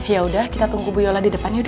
yaudah kita tunggu bu yola di depan yuk dok